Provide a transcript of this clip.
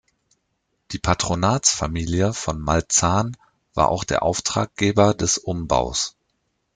Die Patronatsfamilie von Maltzahn war auch der Auftraggeber des Umbaus.